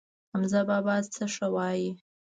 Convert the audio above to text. حمزه بابا څه ښه وايي.